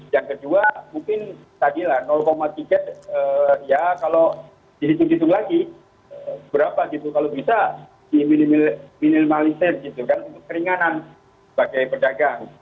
yang kedua mungkin tadi lah tiga ya kalau dihitung hitung lagi berapa gitu kalau bisa diminimalisir gitu kan untuk keringanan sebagai pedagang